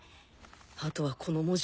あとはこの文字